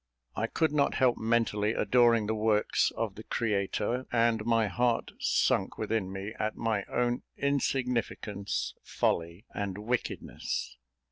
I could not help mentally adoring the works of the Creator, and my heart sunk within me at my own insignificance, folly, and wickedness.